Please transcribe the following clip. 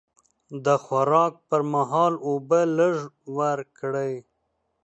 د خوراک پر مهال اوبه لږ ورکړئ.